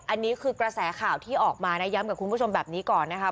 อันนี้คือกระแสข่าวที่ออกมานะย้ำกับคุณผู้ชมแบบนี้ก่อนนะครับ